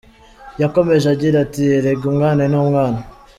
Yakomeje agira ati “Erega umwana ni umwana.